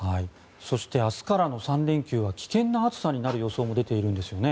そして明日からの３連休は危険な暑さになる予想も出ているんですよね。